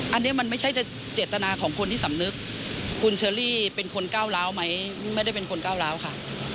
อันนี้มันไม่ใช่เจตนาของคนที่สำนึกคุณเชอรี่เป็นคนก้าวร้าวไหมไม่ได้เป็นคนก้าวร้าวค่ะ